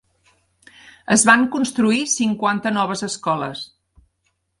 Es van construir cinquanta noves escoles.